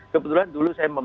kebetulan dulu saya memberikan